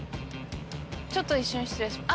ちょっと一瞬失礼します。